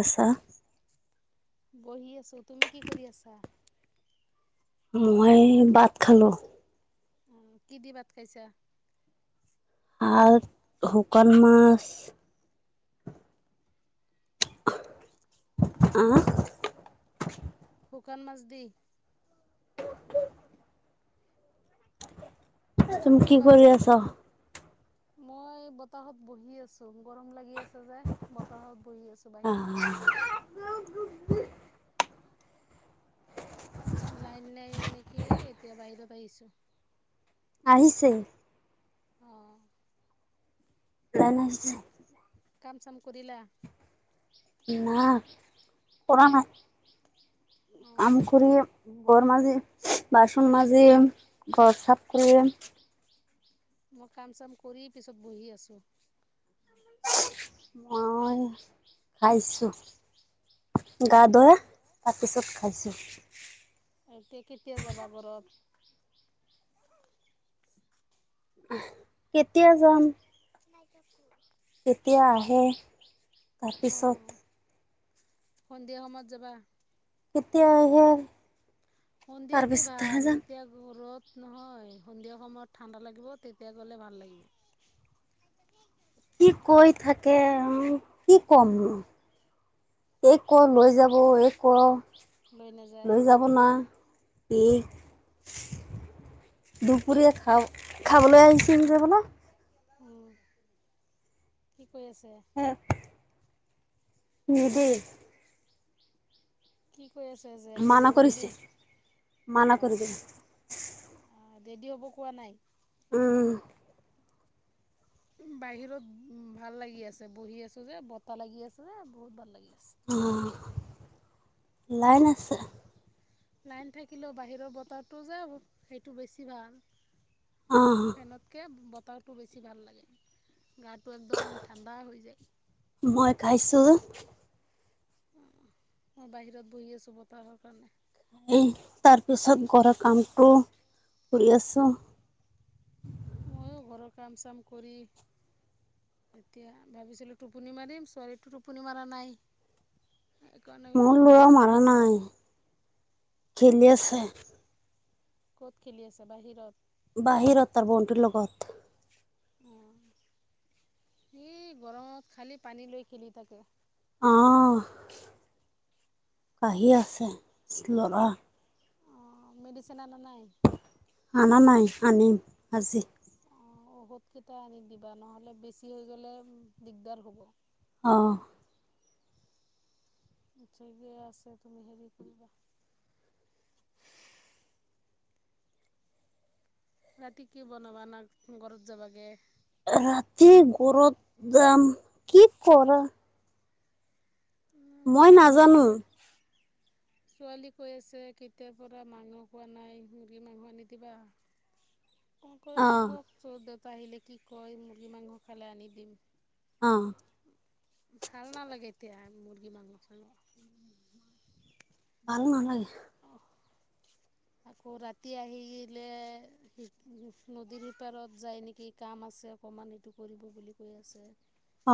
আছা। বহি আছো, তুমি কি কৰি আছা? মই ভাত খালো। উম কি দি ভাত খাইছা? আজ শুকান মাছ আ শুকান মাছ দি তুমি ময়ো কি ভাত কৰি চাত আছা? মই বতাহত বহি আছো গৰম লাগি আছে যে বতাহত বহি আছো আহ বাহিৰত [unintelligible] লাইন নাই নিকি এতিয়া বাহিৰত আহিছো আহিছে অ লাইন আহিছে কাম চাম কৰিলা না কৰা নাই কাম অঁ কৰিম ঘৰ মাজিম বাচন মাজিম ঘৰ চাফ কৰিম মই কাম চাম কৰি পিছত বহি আছোঁ মই খাইছোঁ গা ধোৱা তাৰপিছত খাইছো এতিয়া কেতিয়া যাবা ঘৰত কেতিয়া যাম [unintelligible] কেতিয়া আহে অঁ তাৰপিছত সন্ধিয়া সময়ত যাবা কেতিয়া আহে? সন্ধিয়াতে তাৰপিছতহে ভাল যাম এতিয়া গ ৰদ নহয় সন্ধিয়া সময়ত ঠাণ্ডা লাগিব তেতিয়া গলে ভাল লাগিব। কি কৈ থাকে কি ক'ম নো এই ক লৈ যাব এই কৰ লৈ নাযায় লৈ যাব না। এই দুপুৰীয়া খা খাবলে আহিচিল যে বনা উম কি কৈ আছে। নিদো কি কৈ আছে যে লৈ মানা যাব বুলি কৰিছে মানা কৰি দে অঁ ৰেডি হ'ব কোৱা নাই উমহ [inaudible] বাহিৰত উ ভাল লাগি আছে বহি আছো যে বতাহ লাগি আছে যে বহুত ভাল লাগি আছে। অহ লাইন আছে। লাইন থাকিলেও বাহিৰৰ বতাহটো যে সেইটো বেছি ভাল। অ ফেনতকে বতাহটো বেছি ভাল লাগে। গাটো একদম ঠাণ্ডা হৈ যায়। মই খাইছো উ বাহিৰত বহি আছো বতাহৰ কাৰণে এই তাৰপিছত ঘৰ কামটো কৰি আছো। মইও ঘৰৰ কাম চাম কৰি এতিয়া ভাবিছিলো টোপনি মাৰিম ছোৱালীটো টোপনি মাৰা নাই একাৰণে মোৰ ল'ৰা বাহিৰত মাৰা ওলাই বহি নাই আছো। খেলি আছে ক'ত খেলি আছে বাহিৰত। বাহিৰত তাৰ বনটোৰ লগত অ হে গৰমত খালি পানী লৈ খেলি থাকে। অহ কাহি আছে লৰা। অঁ মেডিচিন আনা নাই। অনা নাই আনিম আজি অ ঔষধ কেইটা আনি দিবা নহ'লে বেছি হৈ গ'লে দিগদাৰ হ'ব। অঁ ঠিকে আছে তুমি হেৰি কৰিবা। ৰাতি কি বনাবা ন ঘৰত যাবাগে। ৰাতি গৰত দাম কি গৰম মই মোৰ ছোৱালী নাজানো। কৈ ছোৱালী কৈ আছে কেতিয়াৰ পৰা মাংস কোৱা নাই মুৰ্গী মাংস আনি দিবা। ক ক অ আহক চ দেউতা আহিলে কি কয় মুৰ্গী মাংস খালে আনি দিম। অ ভাল নালাগে এতিয়া মৰ্গী মাংস। ভাল নালাগে। আকৌ ৰাতি আহিলে নদীৰ সিপাৰত যায় নেকি কাম আছে। আছে অকণমান এইটো কৰিব বুলি কৈ আছে।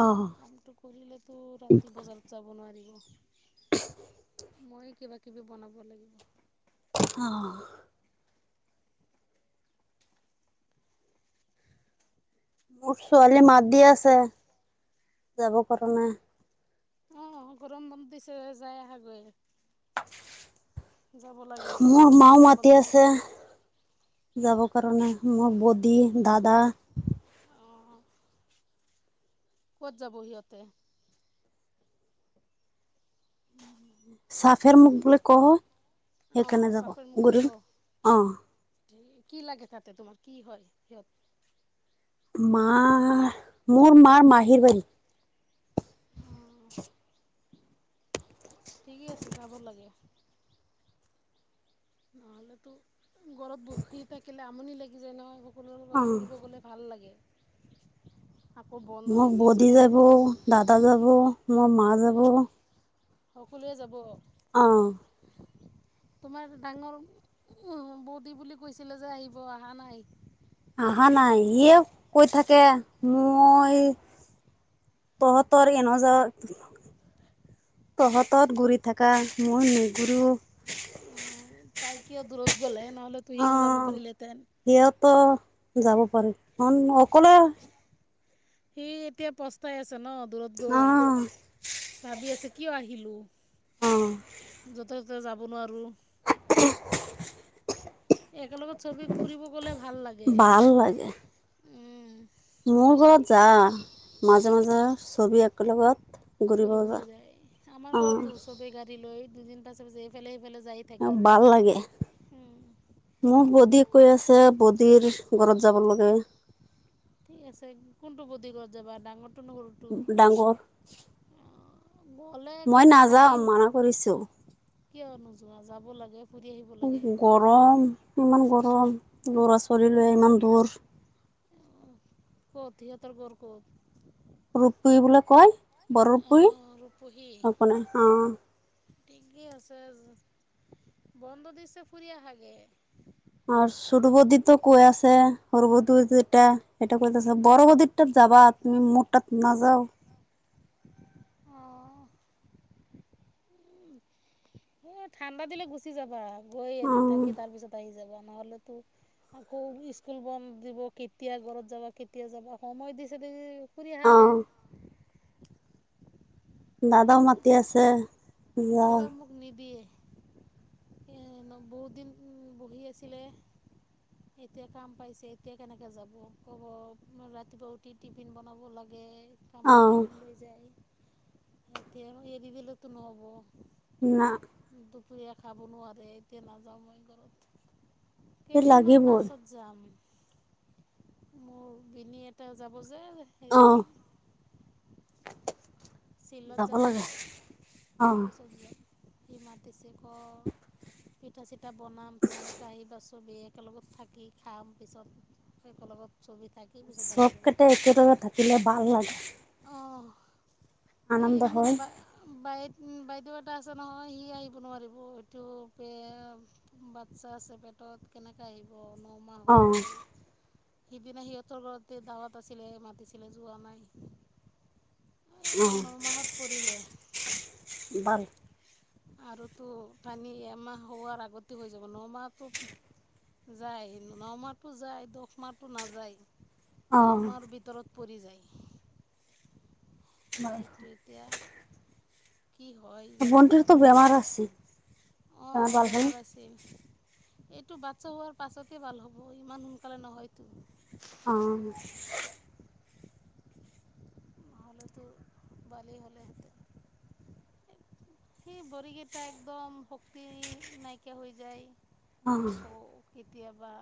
অ কামটো কৰিলেতো ৰাতি বজাত যাব নোৱাৰিব। মই কিবা কিবি বনাব লাগিব। আহ মোৰ ছোৱালী মাত দি আছে যাব পৰা নাই। আহ গৰম বান দিছে যাই আহাগৈ যাব লাগে মোৰ মাও গৰম বন্ধ। যাবৰ কাৰণে মোৰ বডি দাদা- অঁ ক'ত যাব সিহঁতে? চাফেৰ মুখ বুলি কওঁ অঁ সেইকাৰণে যাব চাপৰমুখ যাব গুৰুৰ অ। কি লাগে তাতে তোমাৰ কি হয় সিহঁত। মা মোৰ মাৰ মাহিৰ বাৰী। অঁ [unintelligible] ঠিকেই আছে যাব লাগে। নহ'লেতো ঘৰত বখি থাকিলে আমনি লাগি যায় নহয়। ফুলৰ অ গছ ফুৰিব গ'লে ভাল লাগে। আকৌ বন্ধ মোক দিছে বদি স্কুল যাব, দাদা যাব, মোৰ মা যাব, - সকলোৱে যাব। অহঁ। [unintelligible] তোমাৰ ডাঙৰ বৌদী বুলি কৈছিলে যে আহিব অহা নাই। অহা নাই সিয়ে কৈ থাকে মই- তহঁতৰ এন [unintelligible] তহঁতত ঘুৰি থকা মই নুঘূৰোঁ। তাই কিয় দূৰত গ'লে নহ'লে তু হিও যাব পাৰিলেহেতেন। ত যাব পাৰি কাৰন অকলে- সি এতিয়া পস্তাই আছে। ন দূৰত অ গৈ। ভাবি আছে কিয় আহিলোঁ। অ যতে ততে যাব নোৱাৰোঁ। [unintelligible] একেলগত চবে ফুৰিব গ'লে ভাল লাগে। ভাল লাগে মোৰ ঘৰত যা মাজে মাজে চবে একেলগত। ঘূৰিব যা ফুৰিবলৈ যায় আমাৰ ঘৰতো অ চবে গাড়ী লৈ দুদিন পাছে পাছে এইফালে- যাই থাকে। মোক বৌদী কৈ আছে বৌদীৰ ঘৰত যাব লাগে। ঠিক আছে কোনটো বৌদী ঘৰত যাবা ডাঙৰ- ডাঙৰ। গ'লে মই কেইদিন থাকি নাযাওঁ মানা কৰিছো। কিয় নোযোৱা যাব লাগে ফুৰি আহিব লাগে। গৰম ইমান গৰম ল'ৰা ছোৱালী লৈ ইমান দূৰ। ক'ত সিহঁতৰ ঘৰ ক'ত? ৰুপী বোলি কয় বৰ ৰুপীে অঁ অঁ ঠিকে আছে বন্ধ দিছে ফুৰি আহা গে। আৰু সুৰ বদিটো কৈ আছে হৰু বদটা সটা কৰি আছে বৰ বদত। যাবা তুমি মোটাত নাযাও। অহঁ। উম এ ঠাণ্ডা দিলে গুচি যাবা আৰু। গৈ অ এদিন থাকি তাৰ পিছত আহি যাবা নহ'লেতো- আকৌ স্কুল বন্ধ দিব কেতিয়া ঘৰত যাবা কেতিয়া যাবা সময় দিছে দে- ফুৰি অহা অ গে। দাদাও মাতি আছে। যা এইবাৰ মোক নিদিয়ে। বহুত দিন বহি আছিলে। এতিয়া কাম পাইছে এতিয়া কেনেকে যাব কব ৰাতিপুৱা উঠি টিফিন বনাব লাগে। অ কামত টিফিন লৈ যায়। এতিয়া এৰিদিলেটো নহ'ব। না। পুৰীয়া খাব নোৱাৰে এতিয়া নাযাওঁ মই ঘৰত। কেইদিনমান লাগিবই পাছত যাম। মোৰ ভিনি এটা যাব অ হেৰি চিলত যাব যে অ পিছত সি মাতিছে ক পিঠা চিঠা বনাম তোমালোকে আহিবা চব একেলগত থাকি খাম পিছত সেই কলবত চবকেটা একেলগত থাকিলে ভাল লাগে সে আনন্দ মোৰ হয় বায় বাইদেউ এটা আছে নহয় সি আহিব নোৱাৰিব সেটো বাচ্ছা আছে পেটত কেনেকে আহিব ন মাহ অ হৈ গ'ল সিদিনা সিহঁতৰ ঘৰতে দাৱত আছিলে মাতিছিলে যোৱা নাই অ এই নমাহত পৰিলে বাদ আৰুতো পানী এমাহ হোৱাৰ আগতে হৈ যাব ন মাহটো যায় ন মাতো যায় দশ মাহটো নেযায় দহ অ মাহৰ ভিতৰত পৰি যায় সেইটো এতিয়া কি হয় জানো ভণ্টিৰতো বেমাৰ আছে ত অঁ গাল বেমাৰ আছিল এইটো বাচ্ছা হোৱাৰ পাছতে ভাল হ'ব ইমান সোনকালে নহয়তো অ', এইটো পোৱালী হলে হেঁতেন সেই বৰিগেইটা একদম ভক্তি নাইকিয়া হৈ যায় অ', আকৌ কেতিয়াবা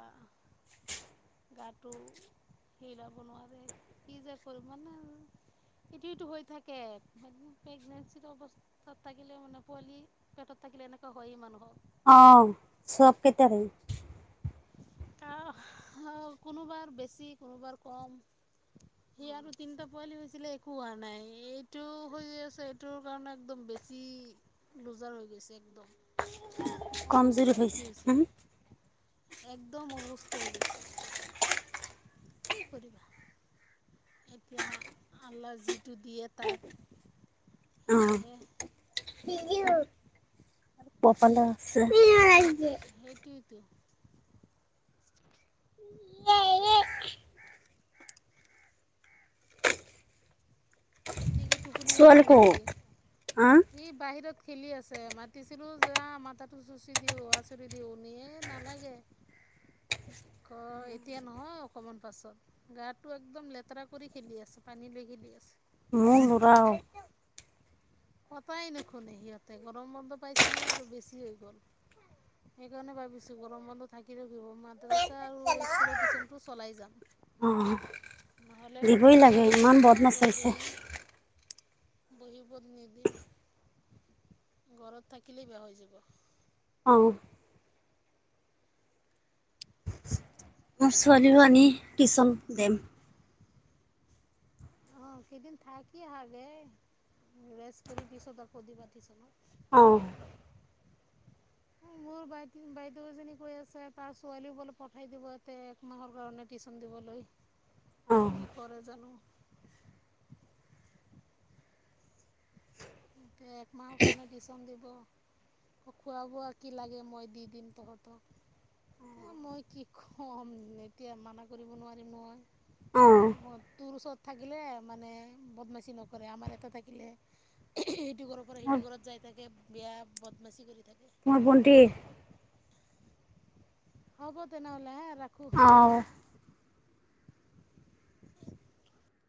গাটো সিলাব নোৱাৰে কি যে কৰিম মানে এইটো এইটো হৈ থাকে প্ৰেগনেঞ্চি অৱস্থাত থাকিলে মানে পোৱালি পেটত থাকিলে এনেকোৱা হয় মানুহক অ চব কেটাৰে অ অ কোনোবা বেছি কোনোবা কম সেই আৰু তিনিটা পোৱালি হৈছিলে একো হোৱা নাই এইটো হৈ আছে এইটোৰ কাৰণে একদম বে বেছি লোজাৰ হৈ গৈছে একদম অসুস্থ কমজোৰি বেছি হৈছে একদম অসুস্থ হৈ গৈছে কি কৰিবা এতিয়া আল্লাহ যিটো দিয়ে তাক অ', সেইটোহে কপালত আছে টো [inaudible] এতিয়া কি টোপনি ছোৱালী মাৰিবা ক'ত নেকি হা সি বাহিৰত খেলি আছে মাতিছিলো যে মাতো চুচি দিওঁ আচুৰি দিওঁ নিয়ে নালাগে [unintelligible] [unintelligible] এতিয়া নহয় অকমান পাছত গাটো একদম লেতেৰা কৰি খেলি আছে পানী লৈ খেলি আছে। মোক দুটা ক কটাই নুশুনে সিহঁতে গৰম বন্ধ পাইছে নহয় আৰু বেছি হৈ গ'ল। সেইকাৰণে ভাবিছোঁ গৰম বন্ধ থাকিলেও কি হ'ব। মাদ্ৰাছা আৰু স্কুলৰ টিউচনটো চলাই যাম। অ নহ'লে দিবই একদম বেয়া লাগে হৈ যাব ইমান বদমাচ হৈছে। বহিবত নিদিম ঘৰত থাকিলেই বেয়া হৈ যাব। অ মোৰ ছোৱালীও আনি টিউচন দেম। অ কেইদিন থাকি আহাগে ৰেষ্ট কৰি পিছত আকৌ দি পাতি চনত। অ উম মোৰ বাই বাইদেউ এজনী কৈ আছে তাৰ ছোৱালীও বোলে পঠাই দিব ইয়াতে এক মাহৰ কাৰণে টিউচন দিব। লৈ অ', কি কৰে জানোঁ। এহ একমাহৰ কাৰণে টিউচন দিব। খোৱা বোৱা কি লাগে মই দি দিম তহঁতক। এ মই কি কম এতিয়া মানা কৰিব নোৱাৰিম নহয়। অ তোৰ ওচৰত থাকিলে মানে বদমাছি নকৰে আমাৰ এটা থাকিলে। সেইটো ঘৰৰ পৰা সেইটো ঘৰত যায় থাকে বেয়া বদমাচি কৰি থাকে। মোৰ ভন্টি। হ'ব তেনে হ'লে হা। ৰাখোঁ অহ। [unintelligible]